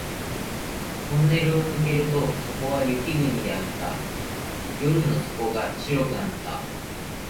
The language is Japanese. トンネルを抜けるとそこは雪国であった。夜の底が白くなった